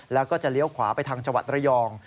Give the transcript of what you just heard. แล้วก็จะเลี้ยวขวาไปทางจังหวัดระยอง